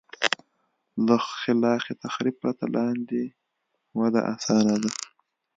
له خلاق تخریب پرته لاندې وده اسانه ده.